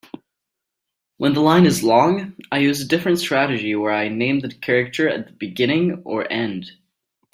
When the line is long, I use a different strategy where I name the character at the beginning or end.